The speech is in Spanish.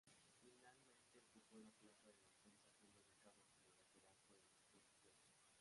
Finalmente ocupo la plaza de defensa siendo ubicado como lateral por el sector izquierdo.